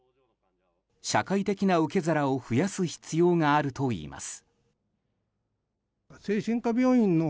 社会的な受け皿を増やす必要があるといいます。